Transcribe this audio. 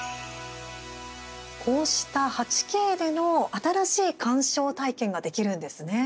こうした、８Ｋでの新しい鑑賞体験ができるんですね。